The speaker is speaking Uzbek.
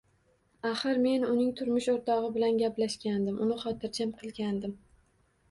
Axir men uning turmush o`rtog`i bilan gaplashgandim, uni xotirjam qilgandim